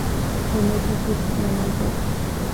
ރިލޭޝަންޝިޕް މެނޭޖަރ